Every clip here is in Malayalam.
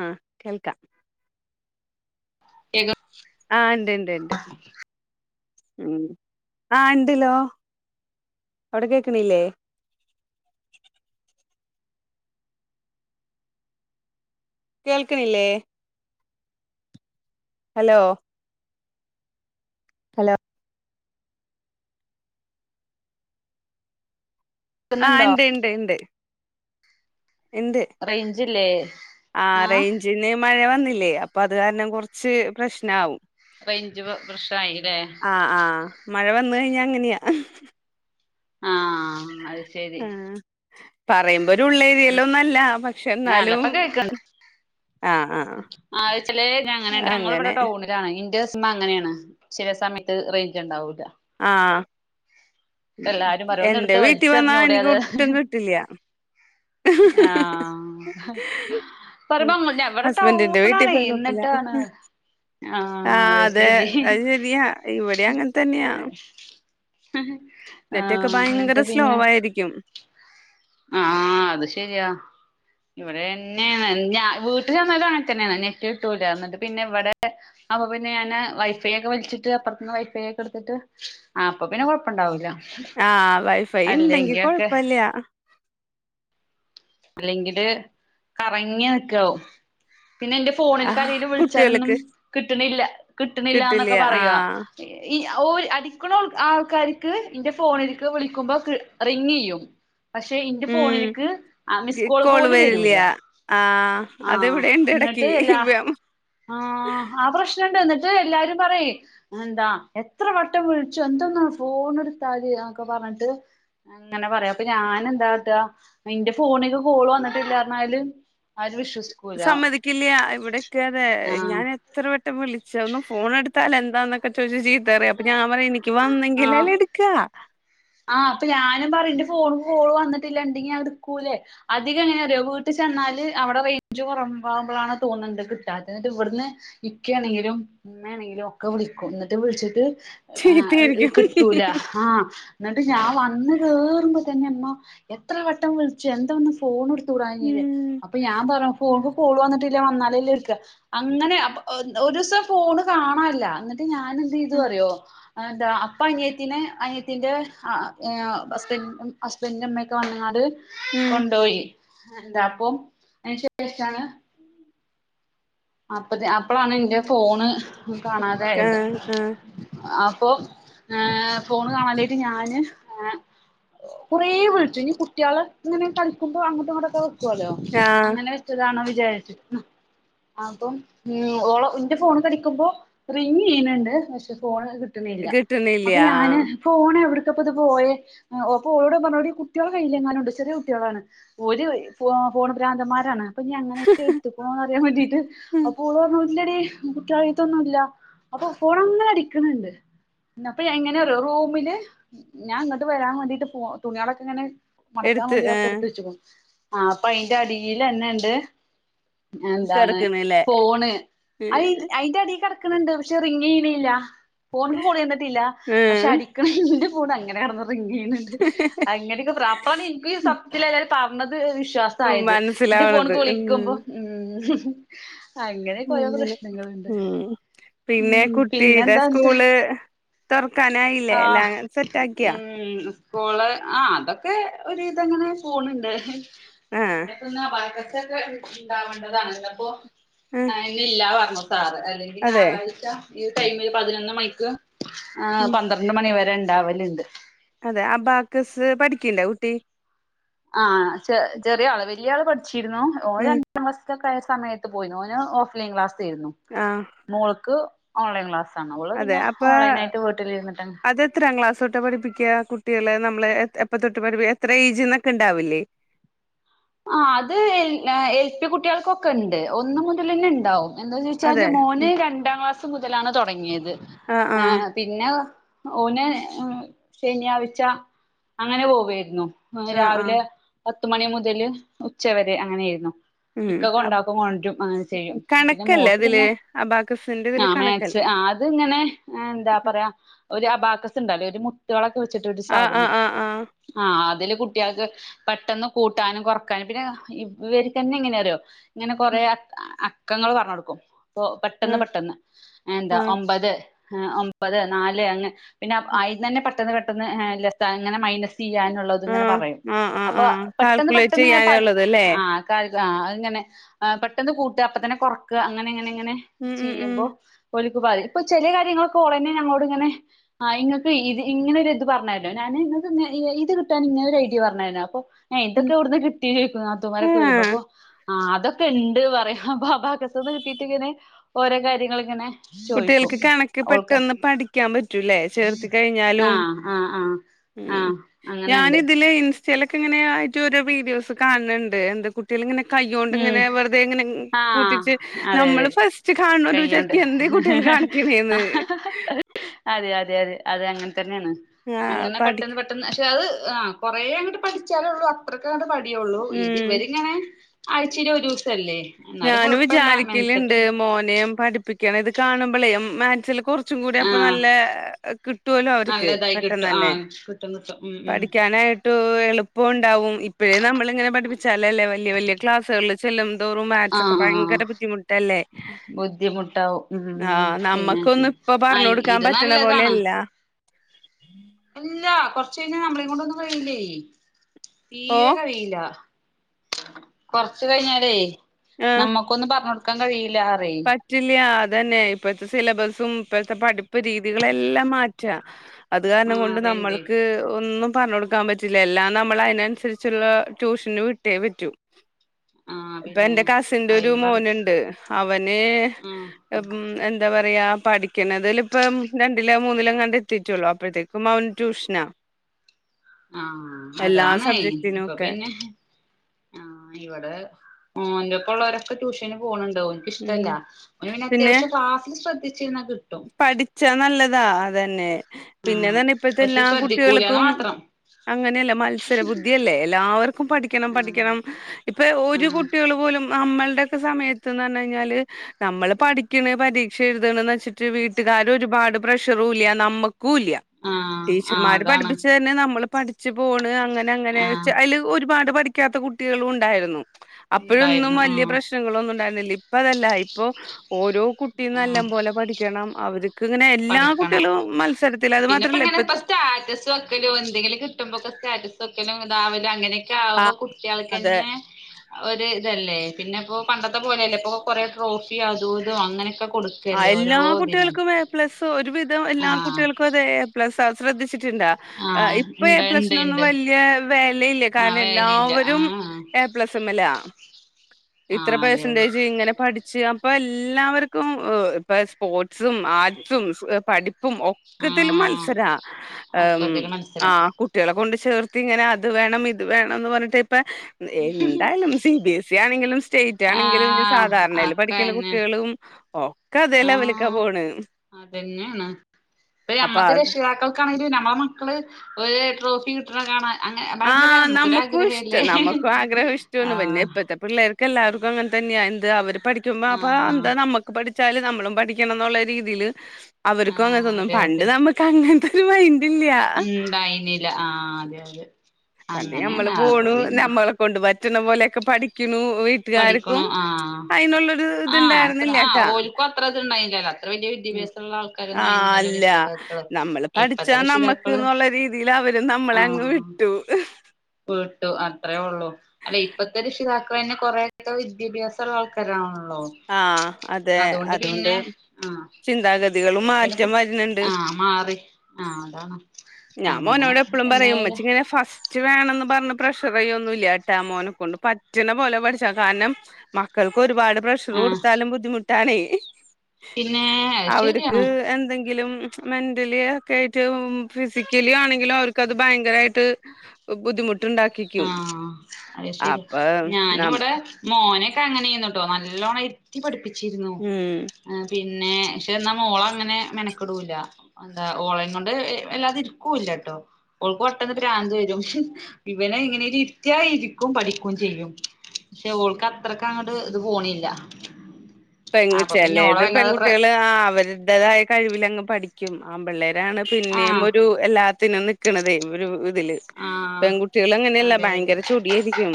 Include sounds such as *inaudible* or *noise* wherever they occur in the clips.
ആഹ് കേൾക്കാ കേക്കു ആഹ് ണ്ട് ണ്ട് ണ്ട് ഉം ആഹ് ഇണ്ട്ല്ലോ അവിടെ കേക്ണില്ലേ കേൾക്കിണില്ലേ? ഹലോ ഹലോ ആഹ് കേക്കുന്നുണ്ടോ ണ്ട് ണ്ട് ണ്ട്. ഇണ്ട് റേഞ്ചില്ലേ ആഹ് റെയ്ജിന് - മഴ വന്നില്ല്യേ അപ്പ അത് കാരണം കൊറച്ച് പ്രശ്നാവും റേഞ്ച് പ പ്രശ്നായിലേ ആഹ്‌ ആഹ്‌ മഴവന്ന്കഴിഞ്ഞാ അങ്ങന്യാ ആഹ് *unintelligible* ആഹ് പറയുമ്പോ ഒരു ഉള്ളേരിയ ലൊന്നല്ല ഞ അല്ലപ്പോ കേൾക്കണ്ട് ആഹ് ആഹ് ആച്ചേൽ ഞങ്ങനെ ഞങ്ങള് ഇവിടെ അങ്ങനെ ടൗണ് ലാണ് ഇന്റെസിംമ്മങ്ങനെയാണ് ചില സമയത്ത് റേഞ്ച് ഉണ്ടാവൂല ആഹ് എല്ലാരും പറയും ഒന്ന് എന്റെ എടുത്ത് വീട്ടിൽ വന്നാ വലിച്ചെറിഞ്ഞൂടെ എനിക്ക് അത് ഒട്ടും കിട്ടില്ല്യ ആഹ് പറയുമ്പോ ഇവിടെ ഹസ്ബൻഡിന്റെ വീട്ടിൽ പോയ കൊഴപ്പല്ല ടൗണാണേന്നിട്ടാണ്. ആഹ് അതെ അഹ്ശരി അത് ശെരിയാ ഇവിടേം അങ്ങനെ തന്നെയാ. *inaudible* നെറ്റൊക്കെ ഭയങ്കര പിന്നെ സ്ലോവായിരിക്കും ആഹ് അത് ശരിയാ ഇവിടതന്ന്യാണ്‌ ഇല്ല വീട്ടിൽ ചെന്നാലങ്ങനെത്തന്ന്യാണ് നെറ്റ് കിട്ടൂല ന്നിട്ട് പിന്നെ ഇവടെ അപ്പൊ പിന്നെ ഞാന് വൈഫൈ ഒക്കെ വലിച്ചിട്ട് അപ്പുറത്തന്ന് വൈഫൈ ഒക്കെടുത്തിട്ട് ആഹ്അപ്പൊ പിന്നെ കൊഴപ്പണ്ടാവൂല ആഹ് വൈഫൈ ഇണ്ടെങ്കി അല്ലെങ്കി ഒക്കെ കൊഴപ്പല്ല്യ അല്ലെങ്കില് കറങ്ങി നിക്കാവും പിന്നെ ന്റെ ആഹ് ഫോണിൽക്കാരേലും വിളിച്ചാലൊന്നും കുട്ടികൾക്ക് കിട്ടണില്ല കിട്ടില്ല കിട്ടണില്ലന്നൊക്കെ പറയുവ ആഹ് ഈഓ അടിക്കണ ആൾക്കാര്ക്ക് ഇന്റെ ഫോണിൽക്ക് വിളിക്കുമ്പോ റി ങ്ങെയ്യും പക്ഷെ ന്റെ ഉം ഫോണില്ക്ക് ഗി- മിസ്കോള് കോള് പോലും വരില്ല വരൂലആഹ് ആഹ് അതിവിടെണ്ട് എടക്ക് ന്ന്ട്ട് എല്ലാ- ആഹ്ആ പ്രശ്നണ്ട് ന്ന്ട്ട് എല്ലാരും പറയേ എന്താ എത്ര വട്ടം വിളിച്ചു എന്താ ഒന്നണ് ഫോണ് ട്ത്താല് നൊക്കെ പറ്ഞ്ഞിട്ട് അങ്ങനെ പറയാ അപ്പൊ ഞാനെന്താ കാട്ടാ അഹ് ന്റെ ഫോണ്ക്ക് കോള് വന്ന്ട്ടില്ലന്നറഞ്ഞാല് ആരും വിശ്വസിക്കൂല സമ്മതിക്കില്ല്യ ഇവിടൊക്കെ അതെ ആഹ് ഞാന് എത്ര വെട്ടം വിളിച്ച് ഒന്ന് ഫോൺ എടുത്താൽ ന്താന്നൊക്ക ചോദ്യം ചെയ്യും അപ്പ ഞാൻ പപറയും എനിക്ക് ആഹ് വന്നെങ്കിലല്ലെ എടുക്കാ ആഹ് അപ്പൊ ഞാനും പറയും ന്റെ ഫോണ്ക്ക് കോള് വന്നിട്ടില്ല ഇണ്ടെങ്കി ഞാനെട്ക്കൂലെ അധികങ്ങെനെറിയോ വീട്ട്‌ചെന്നാല് അവിടെ റേഞ്ച് കൊറവാകുമ്പളാണ് തോന്ന്ണ്ട് കിട്ടാത്ത് ന്ന്‌ട്ടിവ്ട്ന്ന് ഇക്കെണെങ്കിലും ഇമ്മാണെങ്കിലും ഒക്കെ വിളിക്കും ന്ന്ട്ട് വിളിച്ചിട്ട് ആഹ് ചീത്തയായിരിക്കും. കിട്ടൂല ആഹ് ന്ന്ട്ട് ഞാൻ വന്ന് കേറുമ്പോതന്നെ ഇമ്മ എത്ര വട്ടം വിളിച്ചു എന്താ ഒന്ന് ഫോണ് ട്ത്താ *unintelligible* ഉം അപ്പൊ ഞാൻ പറിമ്പോളും കോള്‌വന്നിട്ടില്ല വന്നാലേല്ലേട്ക്ക അങ്ങനെ ഒരൂസം ഫോണ് കാണല്ല ഞാനെന്തെയ്തൂ അറിയോ ന്താ അപ്പ അനിയത്തിന അനിയത്തീന്റെ ആഹ് ഏഹ് അസ്ബന്റ് ഹസ്ബൻഡിന്റെമ്മക്കെ വന്ന് ക്കാണ്ട് ഉം കൊണ്ടോയി എന്താ പ്പൊ അയ്ന് ശേഷാണ് അപ്പ തേ അപ്പളാണ് എന്റെ ഫോണ് കാണാതായത്. ആഹ് ആഹ് അപ്പൊ ഏഹ് ഫോണ് കാണാനില്ലെയിട്ട് ഞാന്. ഏഹ് കുറെ വ്ള്ച്ചു. ഇനി കുട്ട്യാള് ഇങ്ങനെ കളിക്കുമ്പോ അങ്ങോട്ടും ഇങ്ങൊട്ടെക്കെ. വെക്കോലോ. ആഹ് അങ്ങനെ വെച്ചതാണോന്ന് വിചാരിച്ച് അപ്പം ഉം ഓളോ ഇന്റെ ഫോണേക്കടിക്കുമ്പോ റിങ് ചെയ്യ്ണ് ണ്ട്. പക്ഷെ ഫോണ് കിട്ട്ണില്ല കിട്ട്ണില്യാ കിട്ടണില്ല അപ്പോ ഞാന്. ആഹ് ഫോണ് എവ്ട്ക്കാപ്പത് പോയേ അപ്പൊ ഓളോട് ഞാൻ പറ്ഞ്ഞു എടീ കുട്ട്യാളെ കയ്യിലെങ്ങാനുണ്ടോ ചെറിയെ കുട്ട്യാളാണ്. ഓര് ഫോ ഫോണ് ഭ്രാന്തമാരാണ്. അപ്പഞ്ഞി അങ്ങനെറ്റെ ഇട്ത്ത്ക്ക്ണോന്ന് അറിയാൻ വേണ്ടിറ്റ് അപ്പോ ഓള് പറ്ഞ്ഞു ഇല്ലടി. കുട്ടിളെട്ത്തൊന്നുല്ല. അപ്പോ ഫോണങ്ങനെ അടിക്ക്ണ് ണ്ട്. അപ്പൊ എങ്ങനെറിയോ റൂമില്, ഞാൻ ഇങ്ങട്ട് വെരാൻ വേണ്ടീട്ട് പോ തുണ്യളൊക്കങ്ങനെ. മടക്കാൻ എടുത്ത് വേണ്ടി അഹ്ഒക്കെ ആഹ് ട്ത്തെച്ച്ക്ക്ണ് ആഹ് അപ്പ അയിന്റെ അടിലന്നെണ്ട്. എന്താണ് കെടക്കണില്ലേ ഫോണ്. അയി അയിന്റെ അടീ കെട്ക്ക് കെട്ക്ക്ണ് ണ്ട് പക്ഷെ റിങ്ങെയ്യ്ണില്യാ. ഫോണിക്ക് കോള് ചെന്നിട്ടില്ല. പക്ഷെ ആഹ് അടിക്ക്ണ്ട് അടിക്ക്ണ്. എന്റെ ഫോണ് അങ്ങനെ കെടെന്ന് റിങ്ങ് ചെയ്യ്ണ് ണ്ട്. അങ്ങനെയെക്കെ പ്രാപ്പ്രാണിന് ഇന്കി സത്യത്തില് എല്ലാരും പറഞ്ഞത്, വിശ്വാസായത്. ഇന്റെ മനസ്സിലാവണത് ഫോണ്ക്ക് ഉം വിളിക്കുമ്പോ. ഉം അങ്ങനെയൊക്കെ ഓരോ അങ്ങനെ പ്രശ്നങ്ങളുണ്ട് ഉം. ഉം പിന്നെ കുട്ടിടെ പിന്നെന്താ എന്നിട്ട് സ്കൂള്. തൊറക്കാനായില്ലേ ആഹ് എല്ലാങ്ങ് സെറ്റാക്കിയോ? ഉം കോള് ആഹ് അതെക്കെ ഒരു വിതെങ്ങനെ പോണ് ണ്ട്. ആഹ് പിന്നെ തിന്നാ പഴച്ചക്കക്കെ ഇണ്ടാ വണ്ടതാണ് ഇല്ല പ്പോ ആഹ് ആയ് ഇന്ന്ല്ലാന്ന് പറഞ്ഞു സാറ്. അല്ലെങ്കിൽ അതെ ഞായറാഴ്ച ഈ ടൈമിൽ പതിനൊന്ന് മണിക്ക്. ആഹ് ഉം പന്ത്രണ്ട് മണിവെരെ ണ്ടാവല്ണ്ട്. അതെ അബാക്കസ് പഠിക്കില്ലേ കുട്ടി. ആഹ് ചെ ചെറിയ ആള് വെല്യാള് പഠിച്ചിരുന്നു. ഓന് ഉം രണ്ട് പത്താം ക്ലാസെക്കെ ആയാ സമയത്ത് പോയ്ന്നു. ഓന് ഓഫ് ലൈൻ ക്ലാസ്സെര്ന്നു ആഹ് മോൾക്ക് ഓൺലൈൻ ക്ലസ്സാണ്. ഓള് അതെ പിന്നെ അപ്പൊ ഓൺലൈനായിട്ട് വീട്ടിലിരിന്നിട്ടന്നെ അത് എത്രാം ക്ലാസ്സ് തൊട്ട പഠിപ്പിക്ക കുട്ടികളേ നമ്മെള് എത് എപ്പ തൊട്ട് പഠിപ്പിക്ക. എത്ര ഏജ് എന്നൊക്കെ ഉണ്ടാവില്ലേ? ആഹ് അത് എല് എൽ പി കുട്ട്യാക്കൊക്കെ ഒണ്ട്. ഒന്ന് മുതലന്നെ ണ്ടാവും. എന്തോന്ന് ചോദിച്ചാല് അതെ മോന് ഉം. രണ്ടാം ക്ലാസ് മുതലാണ് തൊടങ്ങിത്. ആഹ് ആഹ് ഏഹ്. പിന്നെ ഓന് ശനിയാഴ്ച അങ്ങനെ പോവയിരുന്നു. ഇന്ന് ആഹ് രാവിലെ പത്തുമണി മുതല് ഉച്ച വെരെ അങ്ങനെയാരുന്നു. ആഹ് ഇക്ക അപ് കൊണ്ടാക്കും. കൊണ്ടുരും. അങ്ങനെ ചെയ്യും. പിന്നെ കണക്കല്ലേ മോൾക്ക് അതില് പിന്നെ അബാക്കസിന്റെ ആ ഇതില് മാത്‌സ് കണക്കല്ലേ ആഹ് അ ഇതിങ്ങനെ ഏഹ് എന്താ പറയാ? ഒരു അബാക്കസ് ഉണ്ടല്ലേ. ഒരു മുത്തുകളൊക്കെ വെച്ചിട്ട് ഒരു ആഹ് സാധനം. ആഹ് ആഹ് ആഹ് അതില് കുട്ട്യേക്ക് പെട്ടെന്ന് കൂട്ടാനും കൊറ ക്കാന് പിന്നെ ഇവർക്കെന്നെങ്ങനെറ്യോ ങ്ങനെ കൊറെ അക്കങ്ങള് പറഞ്ഞു കൊടുക്കും. ഇപ്പോ പെട്ടെന്ന് ആഹ് പെട്ടെന്ന്. എന്താ ആഹ് ആഹ് ഒമ്പത്, ഒമ്പത്, നാല് അങ്ങ്. പിന്നെ ആയിൽന്നന്നെ പെട്ടെന്ന് പെട്ടെന്ന് ലെസ്താൻ ഇങ്ങനെ മൈനെസയ്യാനും. ഒള്ളതിങ്ങനെ ആഹ് പറയും. ആഹ് ആഹ് അപ്പോ ആഹ് പെട്ടെന്ന് കാൽക്കുലേറ്റ് പെട്ടെന്നിങ്ങനെ പഠി ചെയ്യാനുള്ളത് അല്ലേ ആഹ് ആക്ക അഹ്ങ്ങനെ. ആഹ് പെട്ടെന്ന് കൂട്ട അപ്പത്തന്നെ കൊറക്ക അങ്ങനെങ്ങനെ ഇങ്ങനെ. ഉം ഉം ഉം ചെയ്യുമ്പോ ഒൽക്ക് പാതി ഇപ്പൊ ചെലേ കാര്യങ്ങളൊക്കെ ഓളന്നെ ഞങ്ങളോടിങ്ങനെ. ആഹ് ഇങ്ങെക്ക് ഇത് ഇങ്ങനൊരു ഇത് പറഞ്ഞര്നോ. ഞാന് ങ്ങക്ക്ന്ന് ഇത് കിട്ടാൻ ഇങ്ങനെ ഒരു ഐഡിയ പറഞ്ഞര്നോ അപ്പൊ ഏഹ് ത് ഉം എവെടുന്ന് കിട്ടി ചോയ്ക്കും നത്തൂമാരൊക്കെ വെരുമ്പോ. ആഹ് അപ്പോ. ആഹ് അതൊക്കെണ്ട് പറയും. അപ്പ അബാക്കസെന്ന് കിട്ടീട്ടിങ്ങനെ ഓരോ കാര്യങ്ങളിങ്ങനെ. കുട്ടികൾക്ക് കണക്ക് പെട്ടെന്ന് പഠിക്കാൻ പറ്റൂലേ. ചേർത്തി ആ കഴിഞ്ഞാലും. ആ ആ ആ ഉം അങ്ങനെണ്ട് ഞാനിതിലേ ഇൻസ്റ്റയിലെക്കെ ഇങ്ങനെയായിട്ട് ഓരോ വീഡിയോസ് കാൺണ് ണ്ട് എന്ത കു ട്ടിളിങ്ങനെ ഉം കയ്യോണ്ടിങ്ങനെ വെറുതെയിങ്ങനെങ്ങ് ആ കൂട്ടിച്ച് അതെ നമ്മെള് ഫസ്റ്റ് കാണോര് കയ്യോണ്ട് വിചാരിക്കും എന്തേ കു ങേ അതെ അതെ അതെ അതെ അങ്ങനെ തന്നെയാണ് അങ്ങനെ പെട്ടെന്ന് പഠി ട്ടന്ന് പക്ഷെ അത് ആഹ് കൊറെ അങ്ങട്ട് പഠിച്ചാലേ ഉള്ളൂ അത്രക്കങ്ങട്ട് പഠിയുള്ളൂ ഇത് ഉം ഇവരിങ്ങനെ ആഴ്ചേൽ ഒരൂസല്ലേ ഞാനു വിചാരിക്കല്ണ്ട് മോനെയും പഠിപ്പിക്കണം ഇത് കാണുമ്പളെ മാത്സില് കുറ ച്ചും കൂടി അപ്പൊ ആഹ് നല്ല കിട്ടോല്ലോ അവർക്ക് പെട്ടെന്നന്നെ ന്ന്ത്തം ഉം ഉം ട്ടൂ എളുപ്പ ഉണ്ടാവും ഇപ്പഴേ നമ്മളിങ്ങനെ പഠിപ്പിച്ചാലല്ലേ വല്യ വല്യ ക്ലാസ്സുകളിൽ ചെല്ലും തോറും മാത് ത്സ് ഒക്കെ ആഹ് ആഹ് ഭയങ്കര ബുദ്ധിമുട്ടല്ലേ ബുദ്ധിമുട്ടാവും ഉം ആഹ് പിന്നെ നമ്മക്കൊന്ന് ഇപ്പൊ ആ പറഞ്ഞ് കൊടുക്കാൻ ഇത് പറ്റണ നല്ലതാണ് പോലെയല്ല ഇല്ല കൊറച്ച് കഴിഞ്ഞ നമ്മള കൊണ്ടൊന്നും കഴിയില്ലേ ഓ തീരെ കഴിയില്ല കൊറച്ച് കഴിഞ്ഞാലേ നമ്മുക്കൊന്നും പറഞ്ടുക്കാൻ കഴിയില്ല പറയ് പറ്റ് റ്റില്ല അതന്നെ ഇപ്പഴത്തെ സിലബസും ഇപ്പഴത്തെ പഠിപ്പ് രീതികളെല്ലാം മാറ്റാ അത് കാരണം കൊണ്ട് മാറിണ്ടേ നമ്മൾക്ക് ഒന്നും പറഞ്ഞ് കൊടു ക്കാൻ പറ്റില്ല എല്ലാം നമ്മൾ അയ്നൻസരിച്ചുള്ള ട്യൂഷന് വിട്ടേ പറ്റൂ ആഹ് ഇപ്പ പിന്നെ എന്റെ കസിന്റെ ഒരു അയിന് പറ മോനുണ്ട് അവന് ഉം എ ന്താ പറയാ പഠിക്കണതിലിപ്പം രണ്ടിലേ മൂന്നിലേങ്ങണ്ടേ എത്തിട്ടുള്ളൂ അപ്പോഴത്തേക്കും അവൻ ട്യൂഷനാ *inaudible* ആഹ് എല്ലാ അതാണ് സബ്ജക്റ്റിനും ഇപ്പൊ ഒക്കെ പിന്നെ ആഹ് ഇവിടെ ഓന്റെപ്പ ഉള്ളവരൊക്കെ ട്യൂഷന് പോണ്ണ്ട് ഓൻ ഉം ഇഷ്ടല്ല അവന് പിന്നെ അത്യാവശ്യം ക്ലാസിൽ ശ്രദ്ധിച്ചിരുന്ന കിട്ടും പഠിച്ചാ നല്ലതാ അതന്നെ പിന്നെ ആഹ് തന്നെ ഇപ്പത്തെ പക്ഷെ എല്ലാ ശ്രദ്ധിക്കൂലാന്ന് കുട്ടികൾക്കും മാത്രം അങ്ങനെയല്ല മത്സരബുദ്ധിയല്ലേ എല്ലാവർക്കും പഠിക്കണം ആഹ് പഠിക്കണം ഇപ്പ ഒരു ആഹ് കുട്ടികൾ പോലും നമ്മളുടെക്കെ സമയത്ത്ന്ന് പറഞ് കഴിഞ്ഞാല് നമ്മള് പഠിക്കണ് പരീക്ഷ എഴുതണന്ന് വെച്ചിട്ട് റ്റ് വീട്ടുകാര് ഒരുപാട് പ്രഷറും ഇല്ല നമ്മക്കും ഇല്ല ആഹ് ആഹ് ടീച്ചർമാര് അതാണ് പഠിപ്പിച്ചു തന്നെ നമ്മള് പഠി ച്ചു പോണ് അങ്ങനെ അങ്ങനെ ആഹ് വച്ച് അതില് ഒരുപാട് പഠിക്കാത്ത കുട്ടികളും ഉണ്ടായിരുന്നു അപ്പോഴൊന്നും ഇണ്ടായിരുന്നു വല്യ ആഹ് പ്രശ് ശനങ്ങളൊന്നുംണ്ടായിരുന്നില്ല ഇപ്പ അതല്ല ഇപ്പൊ ഓരോ കുട്ടി നല്ല ആഹ് പോലെ പഠിക്കണം അവർ ഇങ്ങനെ എല്ലാ പഠിക്കണം കുട്ടികളും മത്സരത്തിൽ അത് മാത്രല്ല ഇപ്പഴത്തെ ലോ എന്തെങ്കിലും കിട്ടുമ്പോക്കെ സ്റ്റാറ്റസ് ഒക്കെല്ലോ ഇതാവല്ലോ അങ്ങനെയൊക്കെ ആ ആകുമ്പോൾ കുട്ടികൾക്ക് അതെ തന്നെ *inaudible* ഒരു ഇതല്ലേ പിന്നെ ഇപ്പോ പണ്ടത്തെ പോലെയല്ലേ ഇപ്പൊ കൊറേ ട്രോഫി അതും ഇതും അങ്ങനെയൊക്കെ കൊടുക്ക ആഹ് എല്ലാ കുട്ടികൾക്കും എ പ്ലസ് ഒരുവിധം എല്ലാ ആഹ് കുട്ടികൾക്കും അത എ പ്ലസ് ശ്രദ്ധിച്ചിട്ടുണ്ടാ ആഹ് ഇപ്പൊ എ ഇണ്ട് ഇണ്ട് പ്ലസിനൊന്നും ഇണ്ട് വലിയ വിലയില്ലേ ആഹ് കാരണം വേലില്ല എല്ലാവരും ആഹ് എ പ്ലസ് വൺലാ ഇത്ര ആഹ് അതെ അതെ പെർസെന്റേജ് ഇങ്ങനെ പഠിച്ച് അപ്പൊ എല്ലാവർക്കും ഇപ്പ സ്പോർട്സും ആർട്സും പഠി അപ്പം ഒക്കതിൽ ആഹ് മത്സരാ ഒക്കതില് മത്സരം ആഹ് കുട്ടികളെ കൊണ്ട് ചേർത്തി ഇങ്ങനെ അത് വേണം ഇത് വേണംന്ന് പറഞ്ഞിട്ട് ഇപ്പ എന്തായാലും സി ബി എസ് ഇ ആണെങ്കിലും സ്റ്റേറ്റ് ആണെങ്കിലും ഇനി ആഹ് സാധാരണയിൽ പഠിക്കണ അക്കന്നെ കുട്ടികളും ഓ ആഹ് അതന്നെയാണ് ഇപ്പ അപ്പൊ ഞമ്മക്ക് രക്ഷിതാക്കൾ കറങ്ങിക്കഴിഞ്ഞ നമ്മട മക്കള് ഒരു ട്രോഫി കി ട്ടണ കാണാൻ അങ്ങ ഭയങ്കര ആഹ് നമുക്കൊരു നമ്മുക്കും ആഗ്രഹ ഇല്ലേ ഇഷ്ടം നമ്മുക്കും ആഗ്രഹം ഇഷ്ടമാണ് പിന്നെ ആഹ് ഇപ്പഴത്തെ പിള്ളേർക്ക് എല്ലാവർക്കും അങ്ങനെ തന്നെയാ എന്ത് അവര് പഠിക്കുമ്പോ അപ്പൊ ആഹ് എന്താ നമ്മക്ക് പഠി ച്ചാല് നമ്മളും പഠിക്കണം എന്നുള്ള രീതിൽ അവർക്കും അങ്ങനെ ആഹ് തോന്നും അതെ പണ്ട് നമുക്ക്ങ്ങനത്തെ രു മൈന്റ ഇല്ല ഉണ്ടൈനില്ല ആഹ് അതെ പണ്ട് നമ്മള് അങ്ങനെയാണ് അപ്പൊ പോണു പിന്നെ നമ്മളെ കൊണ്ട്പറ്റണ പോലെയൊക്കെ പഠിക്കണു പഠിക്കണു കൂട്ടുകാർക്കും ആഹ് അതിനുള്ളൊരു ഇത്ണ്ടായിരുന്നില്ല കേട്ടാ ക്കും അത്ര ഇതുണ്ടായിരുന്നില്ലല്ലോ അത്ര വലിയ വിദ്യാഭ്യാസമുള്ള ആ ആൾക്കാരന്നും ആയുരിന്നില്ലല്ലോ അല്ല രക്ഷിതാക്കൾ നമ്മള് ഇപ്പത്തെ പഠിച്ചാ രക്ഷിതാക്ക- നമ്മക്ക് എന്നുള്ള രീതിയിൽ അവര് നമ്മൾ അങ്ങ് വിട്ടു വിട്ടു അത്രയേ ഉള്ളു അല്ലെ ഇപ്പത്തെ രക്ഷിതാകളന്നെ കുറെയൊക്കെ വിദ്യാഭ്യാസള്ള ആൾക്കാരാണല്ലോ ആ അതെ അതൊണ്ട് അതുകൊണ്ട് പിന്നെ ആഹ് ചിന്താഗതികളും അതൊണ്ട് മാറ്റം വരുന്നുണ്ട് ആഹ് മാറി ആഹ് അതാണ് ഞാൻ അങ്ങനെ മോനോട് എപ്പളും പറയും ഉമ്മച്ചി എന്തായാലും ഇങ്ങനെ ഫസ്റ്റ് വേണന്ന് പറഞ്ഞ് പ്രഷറിയോന്നുല്ല പറ്റാ മോനെക് കൊണ്ട് പറ്റണ പോലെ പഠിച്ച കാരണം മക്കൾക്ക് ഒരുപാട് പ്രഷർ ആഹ് കൊടുത്താലും ബുദ്ധിമു- ട്ടാണെ പിന്നെ അത് അവർക്ക് ശരിയാണ് എന്തെങ്കിലും മെന്റലി ഒക്കെ ആയിട്ടും ഫിസിക്കലി ആണെങ്കിലും അവർക്കത് ഭയങ്കരായിട്ട് ബുദ്ധിമുട്ടുണ്ടാക്കി ആഹ് അത് ശരി നമ്മ ഞാനിവിടെ മോനൊക്കെ അങ്ങനെയ്ന്നുട്ടോ നല്ലോണം ഇരുത്തി പഠിപ്പിച്ചിരുന്നു ഉം ആ പിന്നെ പക്ഷെ എന്നാൽ മോളങ്ങനെ മെനക്കിടൂല എന്താ ഓളെകൊണ്ട് എല്ലാതിരിക്കൂല്ല കേട്ടോ ഓൾക്ക് പെട്ടെന്ന് പ്രാന്ത് വരും ഇവനെ എങ്ങനേലും ഇരുത്യ ഇരിക്കും പഠിക്കുകയും ചെയ്യും പക്ഷെ ഓൾക്ക് അത്രക്കെ അങ്ങോട്ട് ഇത് പോണില്ല പെൺകുച് അപ്പൊ പിന്നെ ഓളെ ചെലേത് വല്ലാതെ പ്ര പെൺകുട്ടികൾ അവരുടേതായ കഴിവില് അങ്ങ് പഠിക്കും ആമ്പിള്ളേരാണ് പിന്നേം ആഹ് ഒരു എല്ലാത്തിനും നിക്കണതെ ഒരു ഇതില് ആഹ് പെൺകുട്ടികൾ അങ്ങനെയല്ല അതെ അതെ ഭയങ്കര ചൊടിയായിരിക്കും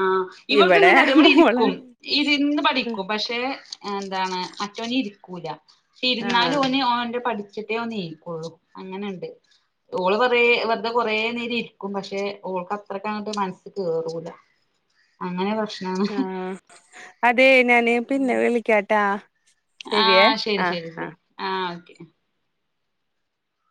ആഹ് ഇവിടെ ഇവൾക്കങ്ങനെയറിയോ മോള് ഇവളിരിക്കും ഇരുന്ന് പഠിക്കും പക്ഷേ എന്താണ് മറ്റവനിരിക്കൂല ഇരുന്നാലും ആഹ് ഓൻ ഓന്റെ പഠിച്ചിട്ടേ ഓൻ എനീക്കൊള്ളു അങ്ങനെണ്ട് ഓള് വറേ വെറുതെ കുറെ നേരം ഇരിക്കും പക്ഷെ ഓൾക്ക് അത്രക്കങ്ങോട്ട് മനസ്സി കേറൂല അങ്ങനേ പ്രശ്- ആഹ് അതെ ഞാന് പിന്നെ വിളിക്കാട്ടാ ശരിയേ ആഹ് ശരി ആഹ് ശരി ആഹ് ശരി ആഹ് ഓക്കെ